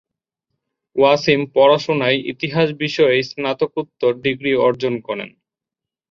ওয়াসিম পড়াশোনায় ইতিহাস বিষয়ে স্নাতকোত্তর ডিগ্রি অর্জন করেন।